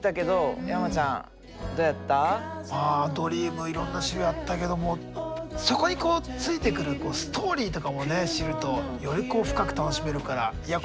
まあドリームいろんな種類あったけどもそこにこうついてくるストーリーとかもね知るとより深く楽しめるからいやこれ知れてよかったな。